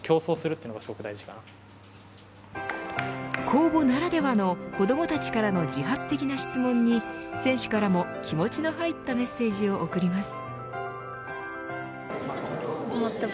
公募ならではの子どもたちからの自発的な質問に選手からも気持ちの入ったメッセージを送ります。